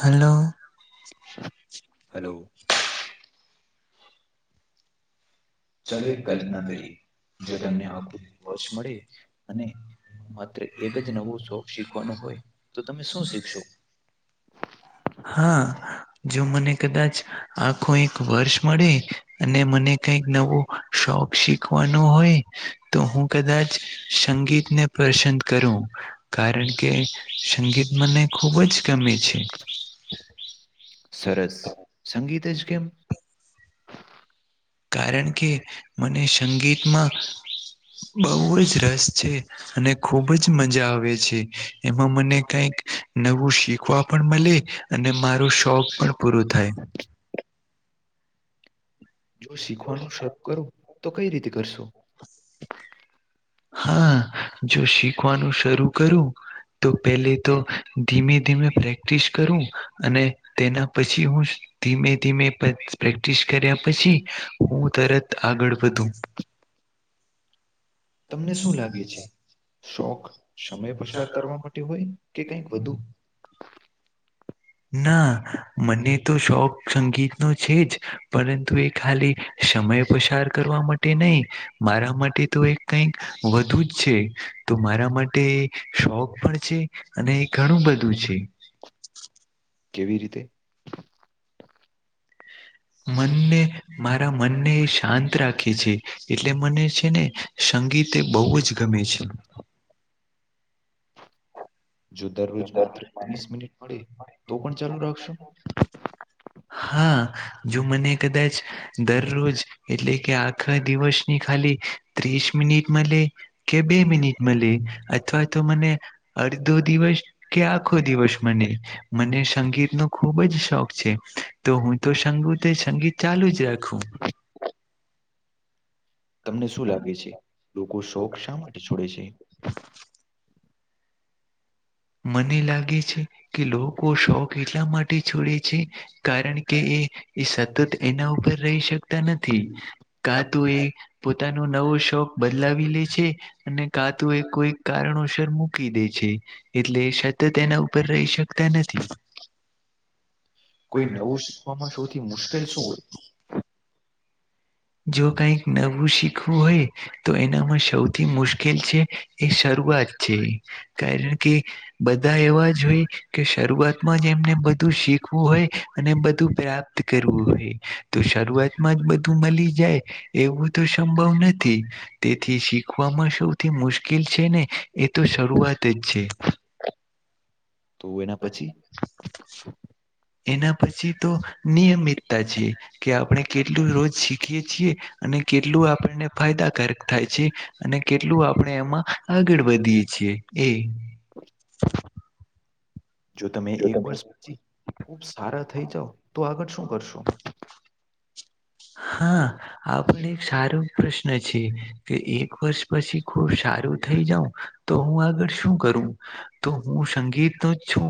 Hello. Hello. ચાલો એક કલ્પના કરીએ જો તમને આખું વશ મળે અને માત્ર એક જ નવો શોખ શીખવાનો હોય, તો તમે શું શીખશો. હા જો મને કદાચ આખો એક વર્ષ મળે અને મને કઈક નવો શોખ શીખવાનો હોય. તો હું કદાચ સંગીતને પસંદ કરું કારણ કે સંગીત મને ખુબ જ ગમે છે. સરસ સંગીત જ કેમ? કારણ કે મને સંગીતમાં બઉુ જ રસ છે, અને ખુબજ મજા આવે છે એમાં મને કઈક નવું શીખવા પણ મળે. અને મારું શોખ પણ પૂરો થાય. જો શીખવાનું શરૂ કરું તો કઈ રીતે કરશો. હા જો શીખવાનું શરૂ કરું તો પહેલે તો ધીમે ધીમે પ્રેક ફિક્સ કરું અને તેના પછી હું ધીમે ધીમે પ્રેક્ટિસ કર્યા પછી હું. તરત આગળ વધું તમને શું લાગે છે. શોખ સમય પસાર કરવા માટે હોય કે કઈક વધુ ના મને તો શોખ સંગીત નો છે જ પરંતુ એ ખાલી સમય પસાર કરવા માટે નહી મારા માટે તો એ કઈક વધુ જ છે. તો મારા માટે શોખ પણ છે, અને ઘણું બધું છે. કેવી રીતે મનને મારા મનને એ શાંત રાખે છે, એટલે મને છે ને સંગીતે એ બહુ જ ગમે છે. જો દરરોજ માત્ર વીસ મિનિટ મળે તો પણ ચાલુ રાખશો. હા જો મને કદાચ દરરોજ એટલે કે આ દિવસની ખાલી ત્રીસ મિનિટ મલે કે બે કેમ? મિનિટમાં લે અથવા તો તો મને અડધો દિવસ કે આખો દિવસ મને મને સંગીતનો ખુબ જ શોખ છે. તો હું તો સંગીત સંગીત ચાલુ જ રાખું. તમને શું લાગે છે, લોકો શોખ શા માટે છોડે છે. મને લાગે છે, કે લોકો શોખ એટલા માટે છોડે છે. કારણ કે એ એ સતત એના ઉપર રહી શકતા નથી. કાતો એ પોતાનું નવો શોખ બદલાવી લે છે અને કાતુ એ કોઈ કારણોસર મૂકી દે છે એટલે શતત એના ઉપર રહી શકતા નથી કોઈ નવું શીખવામાં સૌથી મુશ્કેલ શું હોય? જો કઈક નવું શીખવું હોય તો એનામાં સૌથી મુશ્કેલ છે એ શરૂઆત છે કારણ કે બધા એવા જ હોય કે શરૂઆતમાંજ એને બધું શીખ હોય અને બધું પ્રાપ્ત કરવું હોય તો શરૂઆતમાં જ બધું મલી એવું તો સંભવ નથી તેથી શીખવામાં સૌથી મુશ્કેલ છે ને એ તો શરૂવાત જ છે તો એના પછી? એના પછી તો નિયમિતતા છે કે આપણે કેટલું રોજ શીખીએ છીએ અને કેટલું આપણને ફાયદાકારક થાય છે અને કેટલું આપણે એમાં આગળ વધીએ છીએ યે એ જો તમે એક વર્ષ પછી ખુબ સારા થઈ જાાવ તો આગળ શું કરશો? હા આ પણ એક સારું પ્રશ્ન છે કે એક વર્ષ પછી ખુબ સારું થઇ જાઉં. તો હું આગળ શું કરું, તો હું સંગીત નો જ છું.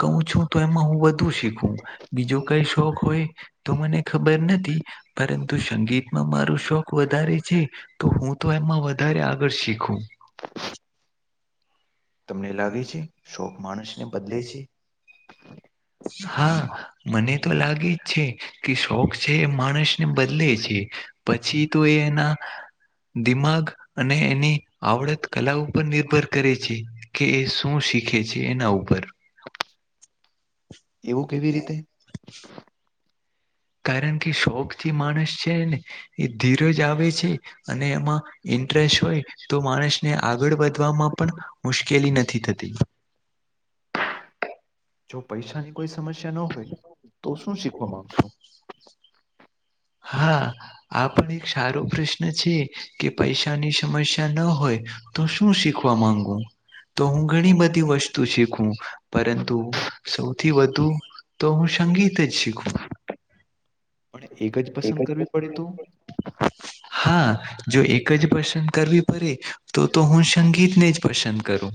કું છું તો એમાં હું વધુ શીખું બીજો કઈ શોખ હોય તો મને ખબર નથી. પરંતુ સંગીતમાં માર શોખ વધારે છે તો હું તો એમાં વધારે આગળ શીખું. તમને લાગે છે, શોખ માણસને બદલે છે. હા, મને તો લાગે જ છે, કે શોખ છે એ માણસને બદલે છે. પછી તો એ એના દિમાગ અને એની આવડત કલા ઉપર નિર્ભર કરે છે. કે એ શું શીખે છે એના ઉપર. એવું કેવી રીતે? કારણ કે શોખથી માણસ છે ને એ ધીરજ આવે છે અને એમાં એ ઇન્ટરેસ્ટ હોય તો માણસને આગળ વધવામાં પણ મુશ્કેલી નથી થતી. જો પૈસાની કોઈ સમસ્યા ન હોય તો શું શીખવામાં માંગશો. હા આપણ એક સારો પ્રષ્ છે કે પૈસા પૈસાની સમસ્યા ન હોય તો શું શીખવા શીખવામાં માંગુ. તો હું ઘણી બધી વસ્તુ શીખું પરંતુ સૌથી વધુ તો હું સંગીત જ શીખુ. પણ એક જ પસંદ કરવી પડે તો? હા, જો એક જ પસંદ કરવી પડે તો તો હું સંગીતને જ પસંદ કરું.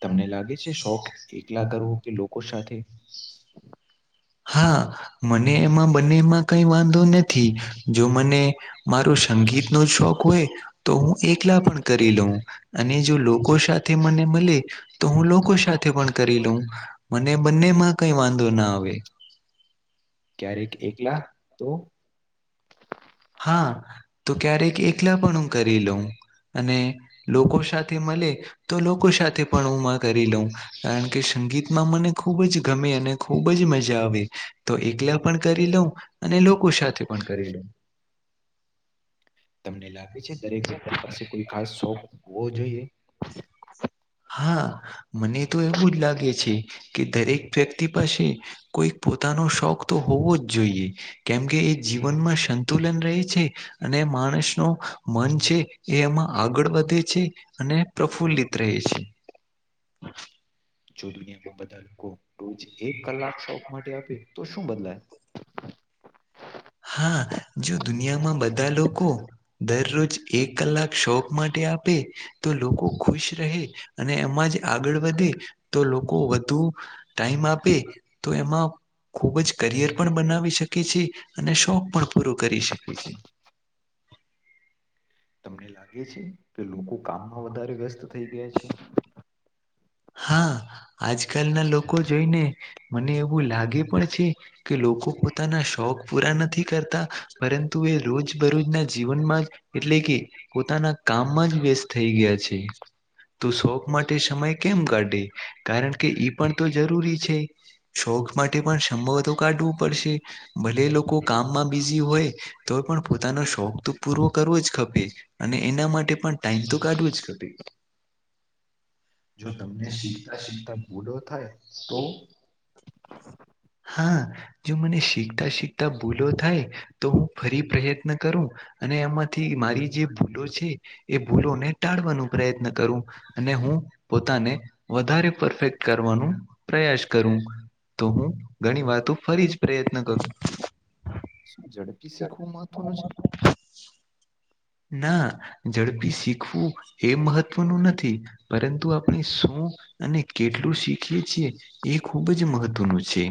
તમને લાગે છે શોખ એકલા કરવો કે લોકો સાથે. હા મને એમાં બંનેમાં કઈ વાંધો નથી. જો મને મારુ મારું સંગીત નો શોખ હોય તો હું એકલા પણ કરી લઉં. અને જો લોકો સાથે મને મલે તો હું લોકો સાથે પણ કરી લઉ મને શોખ એમ જ. બંને મા કઈ વાંધો ના આવે. ક્યારેક એકલા તો? હા, તો ક્યારેક એકલા પણ હું કરી લઉં અને લોકો સાથે મલે તો લોકો સાથે પણ ઉમા કરી લઉં કારણ કે જે સંગીત મને ખૂબ જ ગમે અને ખૂબ જ મજા અ, આવે તો કરું એકલા પણ કરી લઉં અને છું એ લોકો શાથે પણ સાથે કરું છું. કરીલું. તમને લાગે છે દરેક વ્યક્તિ પાસે કોઈ ખાસ શોખ હોવો જોઈએ? હા મને તો એવું હું જ ચાલ- લાગે છે કે દરેક વ્યક્તિ પાસે કોઈક પોતાનો શોખ તો હોવો જ જોઈએ કેમકે એ જીવનમાં સંતુલન રહે છે અને માણસ નો મન છે એ એમાં આગળ વધે છે અને પ્રફુલ્લિત રહે છે. જો દુનિયામાં બધા લોકો તો જ એક કલાક શોખ માટે આપે તો શું બદલાય? હા જો દુનિયામાં બધા લોકો દરરોજ એક કલાક શોખ માટે આપે તો લોકો ખુશ રહે અને એમાં જ આગળ વધે તો લોકો વધુ ટાઇમ આપે તો એમાં ખુબ જ કરિયર પણ બનાવી શકે છે. અને શોખ પણ પૂરું કરી શકે છે. તમને [inaudible] લાગે છે કે લોકો કામમાં વધારે વ્યસ્ત થઈ ગયા છે. હા આજકાલ ના લોકો જોઈને મને એવું લાગે પણ છે કે લોકો પોતાના શો ક પૂરા નથી કરતા પરંતુ એ રોજ બરોજના જીવનમાં જ એટલે કે પોતાના એના કામ જ વ્યસ્ત થઇ ગયા છે તો શોખ માટે સમય કેમ કાઢે કારણ કે ઈ પણ તો જરૂરી છે, શોખ માટે પણ સંભવતો કાઢ ભલે લોકો કામમાં બીઝી હોય તો પણ પોતાનો શોખ તો પૂરો કરવો ખપે જ અને એના માટે પણ ટાઈમ તો કાઢવું જ ખપે. જો તમને સીતા સીતે પૂરો થાય તો. હા જો મને શીખતા શીખ ત્યાં ભૂલો થાય તો હું ફરી પ્રયત્ન કરું અને એમાં થી મારી જે ભૂલો છે એ ભૂલોને ટાળવાનો પ્રયત્ન કરું અને હું પો તાણે વધારે પરફેક્ટ કરવાનું પ્રયાસ કરું તો હું ઘણી વાતો ફરી જ પ્રયત્ન કરું ઝડપી શીખવું મહત્વનું છે ના ઝડપી શીખવું એ મહત્વનું નથી પરંતુ આપણે શું અને કેટલું શીખીએ છીએ એ ખૂબ જ મહત્વનું છે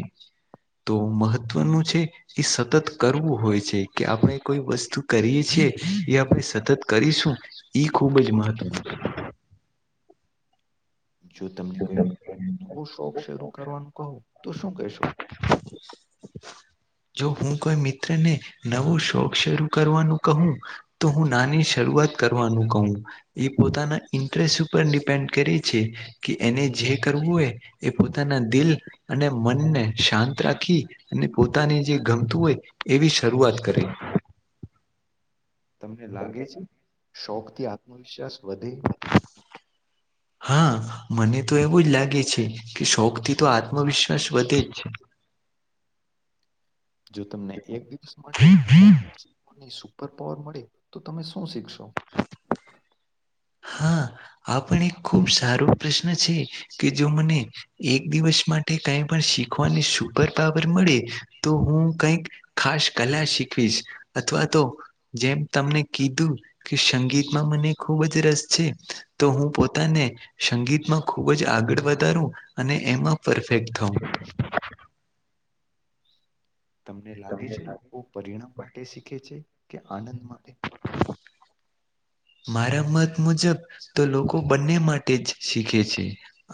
તો મહત્વનું છે કી સતત કરવું હોય છે કે આપણે કોઈ વસ્તુ કરીએ છીએ યા સતત કરીશું ઈ ખુબ જ મહત્વનું જો તમને કોઈવો નવો શોખ શરૂ કરવાનું કહો તો શું કહેશો? જો હું કોઈ મિત્રને નવો શોખ શરૂ કરવાનું કહું તો હું નાની શરૂ વાત કરવાનું કહું એ પોતાના ઇન્ટરેસ્ટ ઉપ ડિપેન્ડ કરે છે. કે એને જે કરવું હોય એ પોતાના દિલ અને મનને શાંત રાખી ને પોતાને જે ગમતું હોય એવી શરૂઆત કરે. તમને લાગે છે શોખ થી આત્મવિશ્વાસ વધે? હા મને તો એવું જ લાગે છે કે શોખ થી તો આત્મવિશ્વાસ વધે જ છે જો તમને એક દિવસ માટે [unintelligible] સુપર પાવર મળે તો તમે શું શીખશો? હા આ પણ એક ખુબ સારો પ્રશ્ન છે કે જો મને એક દિવસ માટે કઈ પણ શીખ વાણી સુપર પાવર મળે તો હમ. હું કઈક ખાસ કલા શીખવીશ અથવા તો જેમ તમને કીધું કે સંગીતમાં મને ખુબ જ રસ છે તો હું પોતાને સંગીતમાં ખુબ જ આગળ વધારું અને એમાં પરફેક્ટ થાઉં. તમને લાગે છે વો પરિણામ માટે શીખે છે કે આનંદ માટે? હ મારા મત મુજબ તો લોકો બંને માટે જ શીખે છે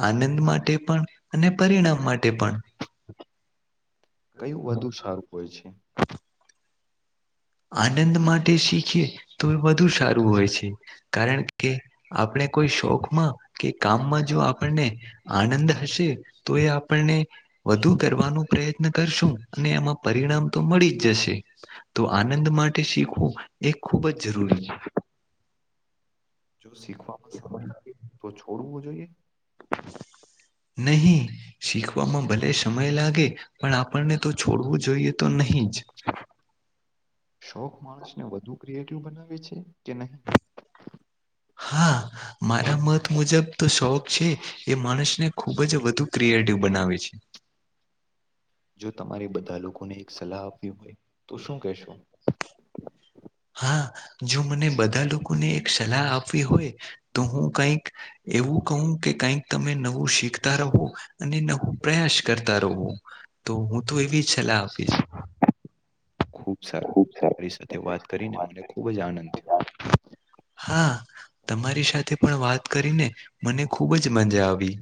આનંદ માટે પણ અને પરિણામ માટે પણ કયું વધુ સારું હોય છે? આનંદ માટે શીખે તો એ વધુ સારું હોય છે કારણ કે આપળે કોઈ શોખમાં કે કામમાં જો આપણને આનંદ હશે તો એ આપણને વધુ કરવાનું પ્રયત્ન કરશું અને એમાં પરિણામ તો મળી જ જશે તો આનંદ માટે શીખવું એ ખૂબ જ જરૂરી છે. જો શીખવામાં સમય છે લાગે તો છોડવું જોઈએ? નહી શીખવામાં ભલે સમય લાગે પણ આપણને તો છોડવું જોઈએ તો નહીં જ. શોખ માણસને વધુ ક્રિએટિવ બનાવે છે કે નહીં? હા મારા મત મુજબ તો શોખ છે એ માણસને ખુબ જ વધુ ક્રિ એટિવ બનાવે છે. જો તમારે બધા લોકોને એક સલાહ આપવી હોય તો શું કેશો? હા જો મને બધા લોકોને એક સલા આપવી હોય તો હું કઈક એવું કહું કે કઈક તમે નઉ વુ શીખતા રહો અને નવું પ્રયાસ કરતા રહો, તો હું તો એવી જ સલાહ આપીશ. ખુબ સારું તમારી સાથે વાત કરીને મને ખુબ જ આનંદ થયો. હા તમારી સાથે પણ વાત કરીને મને ખૂબ જ મજા આવી.